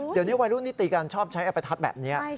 เดี๋ยวนี้วัยรุ่นที่ตีกันชอบใช้ประทัดแบบนี้